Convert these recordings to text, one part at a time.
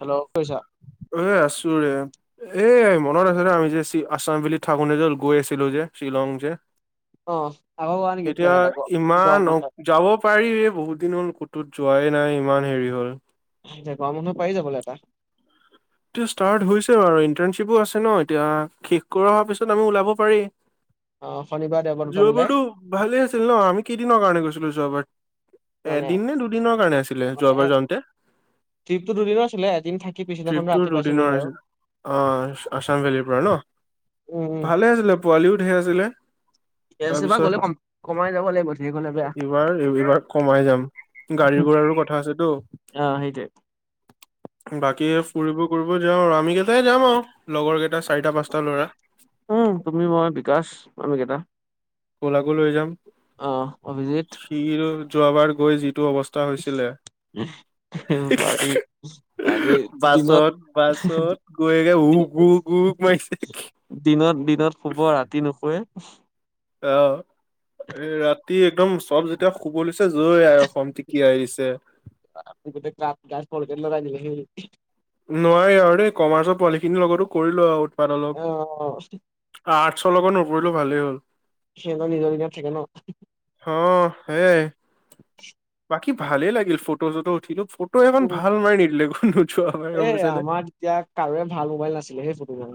Hello কৈছা এ, আছোঁ ৰে। এইই মনত আছে না, আমি যে চি আছাম ভেলী থাকোতে যে গৈ আছিলো যে শ্বিলং যে অ আকৌ কৰা নেকি এতিয়া, প্লেন এটা ইমান গৰম অ-প বন্ধত যাব পাৰি বহুত দিন হ'ল তো যোৱাই নাই ইমান হেৰি হ'ল। [unintelligible] পাৰি যাবলৈ এপাক এইটো ষ্টাৰ্ট হৈছে বাৰু, ইণ্টাৰ্ণশ্বিপো আছে ন' এতিয়া, শেষ কৰা পিছত আমি ওলাব পাৰি। অ শনিবাৰ দেওবাৰ দুটা মিলাই যোৱাবাৰতো ভালে আছিল ন', আমি কেইদিনৰ কাৰনে গৈছিলো যোৱাবাৰ? মানে এদিন নে দুদিনৰ কাৰণে আছিলে মানে যোৱাবাৰ যাওঁতে? ট্ৰিপটো দুদিনৰ আছিলে এদিন থাকি পিছদিনাখন ট্ৰিপটো ৰাতি পাইছিলোহি দুদিনৰ আৰু আছিল অ', আছাম ভেলিৰ পৰা ন'? উম উম ভালে আছিলে, পোৱালিও ধেৰ আছিলে। এইবাৰ গ'লে তাৰপিছত, কম কমাই যাব লাগিব ধেৰ গ'লে বেয়া এইবাৰ, এইবাৰ কমাই যাম। গাড়ী-গোড়াৰো কথা আছেতো। অ সেইটোৱে বাকী ফুৰিব-কৰিব যাওঁ আৰু, আমি কেইটাই যাম আৰু, লগৰকেইটা চাৰিটা-পাঁচটা ল'ৰা। উম তুমি মই বিকাশ আমি কেইটা ক'লাকো লৈ যাম। অ অভিজিত সি যোৱাবাৰ গৈ যি যিটো অৱস্থা হৈছিলে। পাৰ্টি হিহিহি, পাৰ্টি দিনত বাছত, বাছত গৈ একে উক উক উক। মাৰিছে দিনত-দিনত শুব, ৰাতি নুশুৱে। অহ, ৰাতি একদম সব যেতিয়া শুব লৈছে, জয় আই অসম [unintelligible] দিছে [unintelligible] [unintelligible] নোৱাৰি আৰু দেই, কমাৰ্চৰ পোৱালিখিনিৰ লগতো কৰিলো আৰু অ', অ'। চৰ নকৰিলো ভালেই হ'ল। সটো নিজৰ নিজৰ থাকে ন'। অ', সেয়াই। [unintelligible] বাকি ভালে লাগিল ফটো চটো উঠিলো ফটো এখন উম ভাল মাৰি নিদিলে নোযোৱা মাৰি গম এ পাইছানে আমাৰ এতিয়া কাৰোৱে ভাল মোবাইল নাছিলে সেই ফটো জ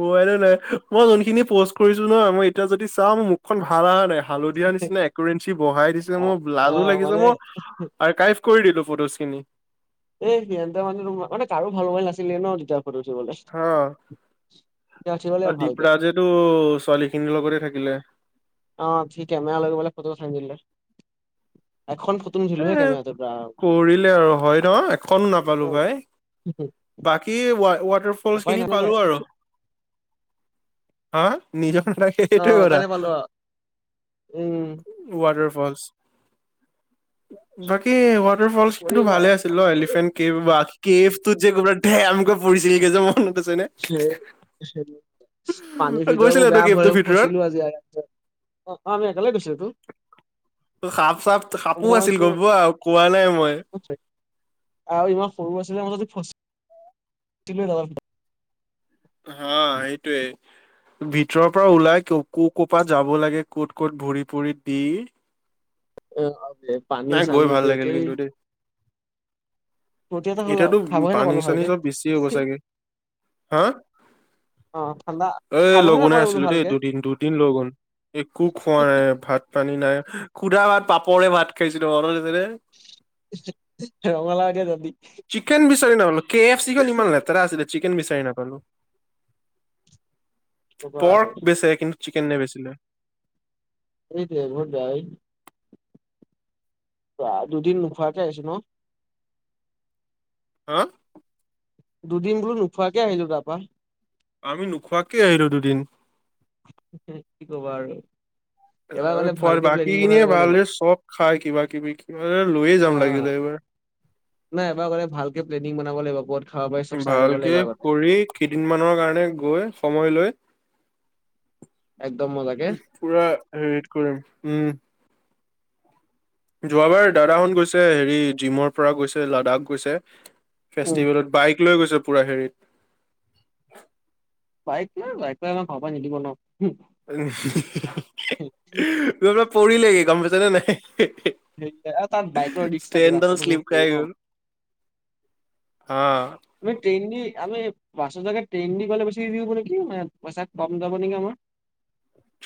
মোবাইলো নাই, মই যোনখিনি পষ্ট কৰিছো নহয় মই এতিয়া যদি চাও মুখখন ভাল অহা নাই হালধীয়া নিচিনা ৰেঞ্চি বহাই দিছে মোৰ অ লাজো মানে লাগিছে মই আৰকাইভ কৰি দিলো ফটোছ খিনি। এ সিহঁতে মানে মানে কাৰো ভাল মোবাইল নাছিলে ন' তেতিয়া [unintelligible] উঠিব অ', লাগিব ভালকে দ্বীপৰাজেতো ছোৱালীখিনিৰ লগতে থাকিলে। অ', সি কেমেৰা লৈ গৈ পেলাই ফটোৱে উথাই নিদিলে। এ কৰিলে আৰু হয় ন'। এখনো নাপালো উম, ভাই। বাকী ৱাটাৰফলছ উপায় খিনি নাথাকাই পালোঁ আৰু। হা নিজৰ অ সে-সেইটোৱে কথা। তানে পালো আৰু। উম ৱাটাৰ [unintelligible] বাকী ৱাটাৰ ফলচটো কৰিবা ভালে আছিল ন' এলিফেন্ট কেভ বা কেভটোত যে গৈ পেলাই ধেমকৈ পৰিছিলগৈ যে মনত আছে নে? সে সেইটোৱে। পানীৰ ভিতৰত গৈছিলা মোৰ তই বেয়া কেভটোৰ ভয় ভিতৰত? ফচিলো আজি অ', অ', আমি একেলগৈ গৈছোটো সাপ চাপ সাপো আছিল গম পোৱা কোৱা নাই মই। আৰু ইমান সৰু আছিলে মাজদি ফচ তুমিও নাৰ [unintelligible] হা, সেইটোৱেই। ভিতৰৰ পৰা ওলাই ক' ক'ৰ যাব লাগে ক'ত ক'ত ভৰি ফুৰি দি অ', [unintelligible] নাই গৈ ভাল লাগিল কিন্তু দেই। ৰুটি এটা হ'ল আও এতিয়াতো খাবহে পানী নাপালো চানী ভালকে চব বেছি হ'ব চাগে, হা অ', পানী এ, লগুনে আছিলোঁ দেই। দুদিন দুদিন লগুন একো খোৱা নাই ভাত পানী নাই। খুধা ভাত পাপৰে ভাত খাইছিলোঁ মনত আছেনে? ৰঙালাও এতিয়া জলদি চিকেন বিচাৰি নাপালোঁ। কে এফ চিখন ইমান লেতেৰা আছিলে, চিকেন বিচাৰি নাপালোঁ। কবা আৰু পৰ্ক বেচে কিন্তু চিকেন নেবেচিলে। সেইটোৱে বহুত বেয়া কৈ বা দুদিন নোখোৱাকে আহিছোঁ ন'? হা? দুদিন বোলো নোখোৱাকে আহিলোঁ তাৰপা। আমি নোখোৱাকে আহিলোঁ দুদিন। তাকেই, কি ক'বা আৰু। এবাৰ গ'লে ভালকে বাকী প্লেনিং বনাই খিনিয়ে যাব ভাল, লাগিব চব খাই কিবা কিবি, কিবা লৈয়ে যাম অ লাগিলে এইবাৰ। নাই এইবাৰ গলে ভালকে প্লেনিং বনাব লাগিব কবাত। ভালকে কৰি, কেইদিনমানৰ কাৰণে গৈ সময় লৈ একদম মজাকে পুৰা হেৰিত কৰিম, উম। যোৱাবাৰ দাদাহত গৈছে, হেৰি জিমৰ পৰা গৈছে লাডাখ গৈছে। উম ফেষ্টিভেলত। বাইক লৈ গৈছে পুৰা হেৰিত বাইক লৈ, বাইক লৈ আমাৰ ঘৰৰপা নিদিব ন'? কোনোবাই পৰিলেগে গ'ম পাইছানে নাই? সেই তাত বাইক লোৱা ৰিস্ক থাকে ষ্টেণ্ডডাল ৰাস্তাটো শ্লিপ বহুত সৰু খাই ন'। গ'ল হা তুমি ট্ৰেইনদি আমি বাছৰ জেগাত ট্ৰেইনদি গ'লে বেছি হেৰি হ'ব নেকি মানে পইচা কম যাব নেকি আমাৰ।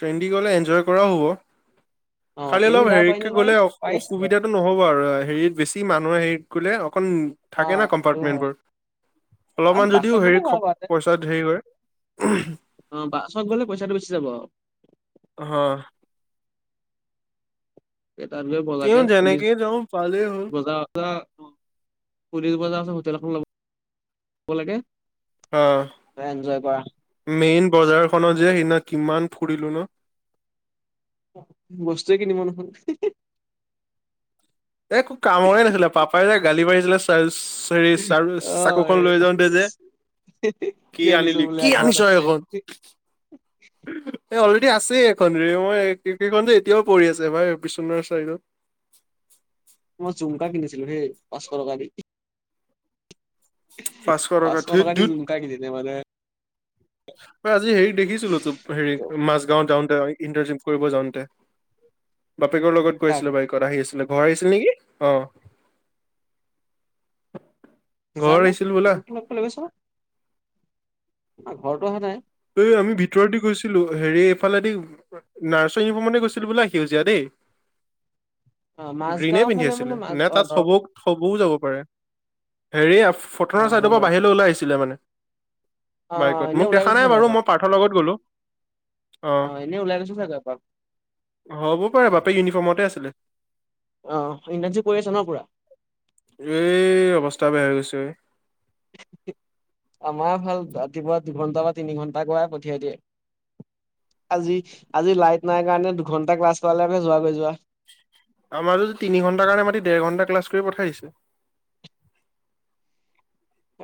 ট্ৰেইনদি গ'লে এনজয় কৰাও হ'ব। অ', খালি ট্ৰেইন দি অলপ যাব পাৰি নে হেৰিকে নোৱাৰি? গ'লে পাৰি চাগৈ। অসুবিধাতটো ন'হব আৰু হেৰিত বেছি মানুহে হেৰিত গ'লে। কন থাকে না অ', সেইটো হয় কম্পাৰ্টমেন্টবোৰ। আৰু অলপমান বাছত যদিও গ'লে হেৰিক ভাল বাৰুতে পইচাত হেৰি হয়। অ' বাছত গলে পইচাটো বেছি যাব। হা। এটা যে তেওঁ বগাকে, পুলিচ যেনেকে যাওঁ পালেই হ'ল বজা বজা পুলিচ বজা তেলখন ল'ব ল'ব লাগে। অ' এনজয় কৰা মেইন বজাৰখনত যে সিদিনা কিমান ফুৰিলো ন'? বস্তুৱে নিকিনিলোঁ নহয়। একো কামৰে নাছিলে, পাপাই যে গালি পাৰিছিলে চাই হেৰি অ', চ-চাকুখন এই লৈ যাওঁতে যে কি আনিছ আনিলি বোলে, কি আনিছ ঘৰত আছে। এইখন এই অলৰেডি আছেই ৰে। মই এইখন যে এতিয়াও পৰি আছে ভাই, বিচনাৰ চাইডত। জোতা কিনিছিলোঁ সেই পাঁচশ টকা দি। টকা পাঁচশ ধেত টকাদি ধুত ঝুমকা কিনিছে মানে। আজি হেৰি দেখিছিলোঁ তোক, কি হেৰি ক'ব মাজগাও টাউন টা ইটাৰ্ণচিপ কৰিব যাওঁতে। বাপেকৰ লগত গৈ কাক আছিলোঁ বাইকত আহি আছিলোঁ। ঘৰ আহিছিল নেকি, অ'। ঘৰ জানো আহিছিল বোলা তত লগতলৈ গৈছ। না ঘৰতটো অহা নাই। এই আমি ভিতৰেদি গৈছিলো। হেৰি এইফালেদি নাৰ্চৰ ইউনিফৰ্মতে গৈছিলোঁ বোলা সেউজীয়া দেই। অ গ্ৰীনে মাজগাঁও পিন্ধি ফালে আছিলে, মানে মাজ নে অ তাত দৰং থব থবও যাব পাৰে। হেৰি অ ফটনৰ হ'ব চাইডৰপৰা পাৰে বাহিৰলৈ ওলাই আহিছিলে মানে। অ' এনে ওলাই গৈছো চোৱানাই চাগে বাৰু এপাক মই পাৰ্থৰ লগত গলো। অ' এনে ওলাই গৈছো চাগে এপাক হ'ব পাৰে, বাপেম ইউনিফৰ্মতে আছিলে। অ ইণ্টাৰ্ণশ্বিপ কৰি আছা ন পুৰা এই অৱস্থা বেয়া হৈ গৈছেঐ আমাৰ ভাল ৰাতিপুৱা দুঘন্টা বা তিনি ঘন্টা গ পঠিয়াই দিয়ে। আজি আজি লাইট নাই কাৰণে দুঘন্টা ক্লাছ পালে আকে যোৱাকৈ যোৱা। আমাৰ যদি তিনি ঘন্টাাৰ কাৰণে মাটি দেৰ ঘন্টা ক্লাছ কৰি পঠাই আহিছে।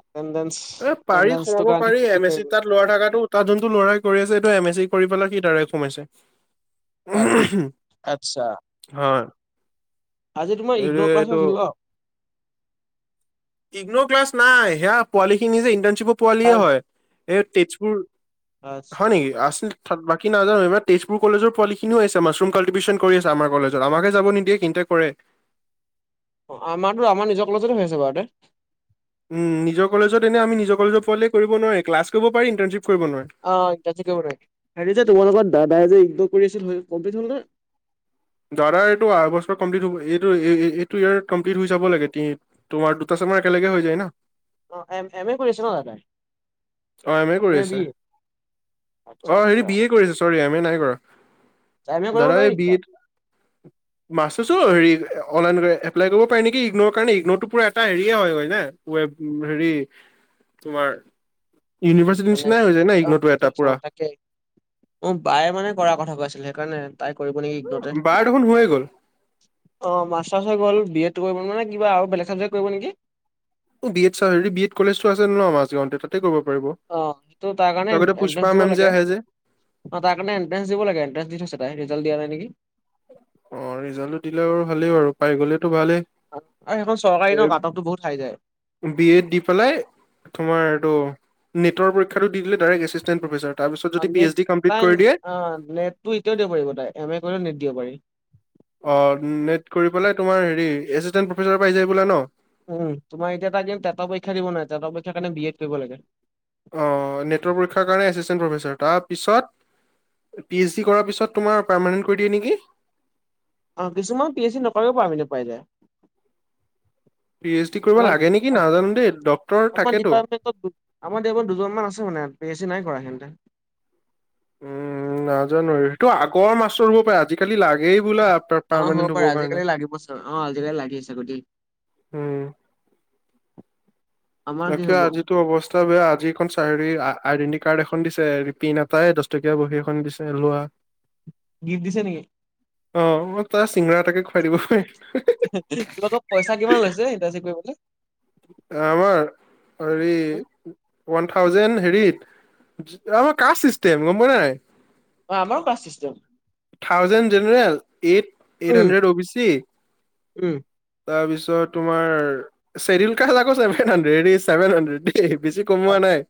এটেনডেঞ্চ এ পাৰি এটেনডেঞ্চটোৰ সোমাব কাৰণে পাৰি কি কি এম এছ কৰিব চিত লাগে। তাত লৰা থকাাতো তাত যোনতটো ল'ৰাই কৰি আছে। টো এম এছ ই কৰি পেলাই কি তাৰে সোমাইছে। আত আচ্ছা হয়। আজি তোমাৰ এই ইগনৰ ক্লাছ হৈ এইটো আছিল ন ইগনৰ ক্লাছ নাই সেয়া পোৱালিখিনি যে ইণ্টাৰ্ণশ্বিপৰ পোৱালিয়ে হয়। এই তেজপুৰ আচ্ছা হয় নেকি আছিল। তাত বাকী নাজানো এইব তেজপুৰ কলেজৰ পোৱালিনও আছে। মাৰুম ক্টিভ্যন কৰি আছে আমাৰ কলেত আমাকে যাব নিদিয়ে কিন্তু, কৰে। আমাৰো আমাৰ নিজৰ কলেজতে হৈ আছে বাৰু তে [unintelligible] অ', ত ক নাই হেৰি যে তোমালোকৰ দাদাই যে ই্দ কৰি আছিল হয় কমপ্লিট হ'ল ন? দাদা এইটো আা বছৰ কমপ্লিট হটো এইটো ইয় কমপ্লিট হৈ যাব লাগে। তোমাৰ দুটা তোমাৰ একেলগে হৈ যায় ন? অ', এ এম এ কৰি আছে ন দাদাই অ', এম এ নে বি কৰিছে আচ্ছা অ হেৰি আচ্ছা বি এ কৰিছে। চৰি এম এ নাই কৰা। টাইমে কৰিব দাদা নোৱাৰি এই নেকি তাত বিত মাছছো হেৰি অনলাইন এপ্লাই কৰিব পাৰি নেকি ইগন' কাৰণে ইগনটো পুৰা এটা হেৰিয়ে হয় হয় ন ৱ হেৰি তোমাৰ ইউনিভাৰ্চিটিৰ মানে নিচিনাই হৈ যায় না ইগনৰটো এটা চ পুৰা তাকে উ বায়ে মানে কৰা কথা কৈ আছিলে। সেই [unintelligible] কৰিব নেকি বাৰ দেখোন হৈয়ে গ'ল অ', কৰিব নে কা আৰু বেলেগ চাবজেক্ কৰিব নেকি? বি এড চ হেৰি বি এড কলেজটো আছে ন আমাজগৱওঁতে তাতে কৰিবাৰ অ', সেইটো তাৰ কাৰণে এডভাঞ্চ দিব মেম যে লাগে। অ', আহে যে তাৰ কাৰণ এণ্ট্ৰেঞ্চ দিব লাগ এট্ৰে দি থ তাই জ দিয়া নাই। নেকি অ', ৰিজাল্টটো দিলে ব ভালেই বাৰু পাই গ'লেতো ভালেই। আৰু সেইখন চৰকাৰী এ ন কাট অফটো বহুত হাই যায় বি এ দি পেলাই তোমাৰ এইটো নটৰ পৰক্ষা দি দে ডাইক্ এচিষ্টেণ্ প্ৰফেচাৰ তাৰপিছত অ', যদি P NET H D complete তাই কৰি দিয়ে অ নেট টো এতিয়াও দিব পাৰিব তাই এম এ কৰিলেও নেট দিব পাৰি। অ', নেট কৰি পেলাই তোমাৰ হেৰি এচিষ্টেণ্ট প্ৰফেচাৰ পাইি যায় বোলে ন? উম তোমাৰ এতিয়া ত তেটা পৰক্ষা দিব নোৱাৰে তেটা পৰীক্ষাৰ কাৰণে বি এড কৰিব লাগে। অ', নেটৰ পৰীক্ষাৰ কাৰণে এচিষ্টেণ্ট প্ৰফেচৰ তাৰপিছত পি এইচ ডি কৰাৰ পিছত তোমাৰ পাৰমানেন্ট কৰি দিয়ে নেকি? আহ কিছুমান পি এইচ চি নকৰিবও পাৰি নাপাই। [inaudible] কৰিব আৰ লাগে নেকি নাজানো দেই ডক্তৰ থাকেতো। ডিপাৰ্টমেণ্ট আমাৰ ডিপাৰটেণ্ট দুজন মমান আছে মানে প এ চি নাই কৰা সেহতে উম নাজানো সেইটো আগৰ মাছটো ৰুব পাৰে আজিকালি লাগেই বোলা। অ', পাৰ্মানেণ্ট হ'ব বাৰু হ'বৰ কাৰণে। আজিকালি লাগিব চ অ আজিিকালি লাগি আছে গটি উম', আমাৰ কি তাকিয় হ'ব আজিতো অৱস্থা বেয়া আজিখন চাৰিআৰি আইডেণ্টি কাৰ্ড এখন দিছে ৰিপিন এটাই দহটকীয়া বহী এখন দিছে লোৱা। গীত দিছে নেকি? অ', মই তাৰ চিঙৰা এটাকে খুৱাই দিব। তোমোকৰ পইচা কিমান লৈছে ইাৰজী কৰিবলে। আমাৰ হৰি [unintelligible] কাচ চিচতেম গম পোৱাাই নাই অ আমাৰো caste system thousand general eight eight um hundred অ বি চি উম তাৰপিছত তোমাৰ চছেডউল কা আকৌ চছেভন হাণ্ড্ৰেড এইছেভন হাড্ৰেড এ বেছি কমোৱা নাই আচ্ছা।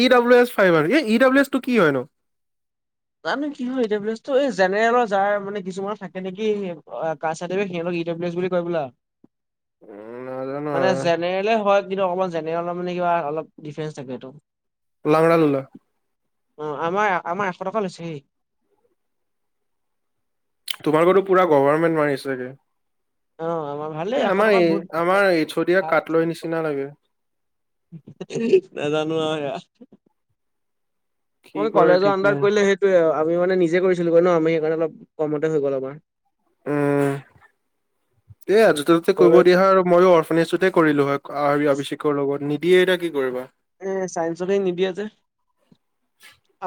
ই ডাব্ল এছ ফাইভ আৰু এ ই ডাব্লউ এছ টো কি হয় ন? জানো কি হয় এ জেনেৰেলৰ যাৰ মানে কিছুমানৰ থাকে নেকি বুলি কৈ [unintelligible] নাজানো মানে আৰু জেনেৰেলে হয় কিন্তু অকমান জেনেৰেলৰ মানে কিবা অলপ ডিফেন্ঞ্চ থাকে এইটো লাংৰা লল আহ আমাৰ আমাৰ এশ টকা লৈছেহি তোমাৰোকতো পুৰা গভৰ্ণমেণ্ট মাৰি চাগে অ আমাৰ ভালেই এ এশ আমাৰ টকা এই বহুত আমাৰ এইচটিয় ভাল। [unintelligible] লৈ নিচিনা লাগে। নাজানো আৰু সেয়া কি ম কৰে কলেজৰ ঠিক আডাৰ নাই কৰিলে সেইটোয়ে আমি মানে নিজে কৰিছিলো কৈ ন আমি সেইকাৰণে অলপ কমতে হৈ গ'ল আমাৰ উম, এ আজ ততে কৰিব কলেজ দিয়া হ আৰু ময়ো অৰ্ফনেজটোতে কৰিলো হয় আৰি অভিষেকৰ লগত নিদিয়ে এতিয়া কি কৰিবা এ চাইন্ঞ্চকে নিদিয়ে যে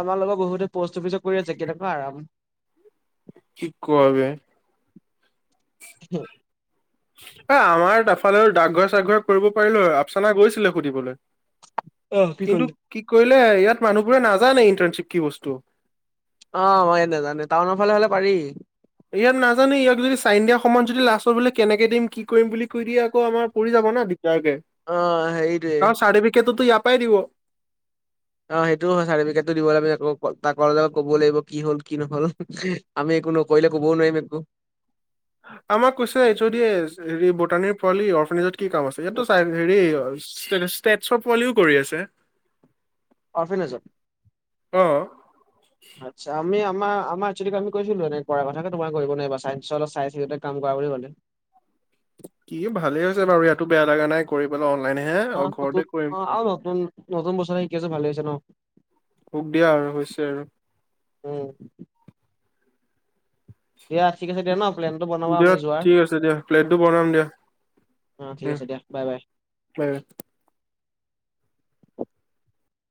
আমাৰ লগত বহুত পষ্ট অফিচত কৰি আছে কেনেকা আৰাম কি কয় [unintelligible] হয়। এ আমাৰ এফালে ডাকঘৰ চাগঘৰ কৰিব পাৰিলো হয় আফচানা গৈছিলে সুধিবলৈ অ' কি কিন্তু কৰিলে? কি কৰিলে ইয়াত মানুহবোৰে নাজানে ইণ্টাৰ্ণশ্বিপ কি বস্তু অ মই নাজানো টাউনৰ ফালে হলে পাৰি ইয়াত নাজানে ইয়াক যদি চাই দিয়া সময়ত যদি লাষ্টত বোলে কেনেকে দিম কি কৰিম বুলি কৈ দিয়ে আকৌ আমাৰ পৰি যাব না অ' হেৰিটোৱে। কাৰণ চাৰ্টিফিকেটো ইয়াৰ পৰাই দিব অ সেইটো হয় চাৰ্টিফিকেটটো দিব লাগিব তাক ক'ব লাগিব কি হল কি নহল আমি একো নকৰিলে কবও নোৱাৰিম একো আমাক কৈছে এই যদি হেৰি বুটানীৰ পোৱালি অ জত কি কাম আছে ইয়াতো চাই হেৰি ষ্টেট শ পোৱালিও কৰি আছে অফনেজত অ আছা আমি আমাৰ আমাৰ আমি কৰিছিলো এনে কৰা কথাকে তোমাৰ কৰিব নোৱাৰিবা অল চাই চিতে কাম কৰা বুলি ক'লে কি ভালে হৈছে বাৰু ইয়াতো বেয়া লগা নাই কৰি পেলাই অন অ, নতুন অ আৰু নতুন নতুন বছৰে শিকি আছেো ভালে হৈছে ন হোক দিয়া আৰু হৈছে আৰু উম দিয়া ঠিক আছে দিয়া ন প্লেনটো বনাবা দিয়া আমি যোৱাৰ ঠিক আছে দিয়া প্লেটটো বনাম দিয়া অ ঠিক আছে দিয়া বাই বাই